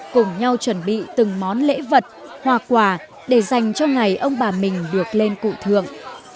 cùng nhau chuẩn bị từng món lễ vật hoa quả để dành cho ngày ông bà mình được lên cụ thượng